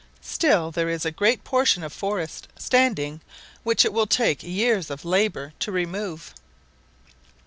Still there is a great portion of forest standing which it will take years of labour to remove.